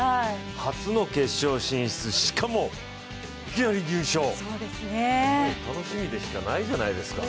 初の決勝進出、しかもいきなり入賞楽しみでしかないじゃないですか。